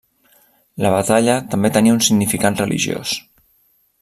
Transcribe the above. La batalla també tenia un significat religiós.